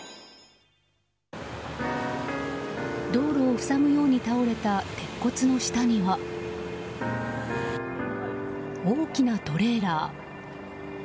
道路を塞ぐように倒れた鉄骨の下には大きなトレーラー。